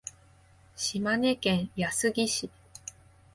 島根県安来市